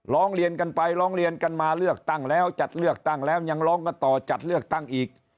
ร้องเรียนกันไปร้องเรียนกันมาเลือกตั้งแล้วจัดเลือกตั้งแล้วยังร้องกันต่อจัดเลือกตั้งอีก